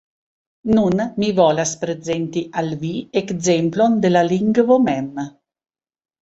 Nun mi volas prezenti al vi ekzemplon de la lingvo mem